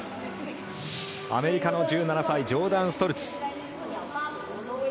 アメリカの１７歳ジョーダン・ストルツ。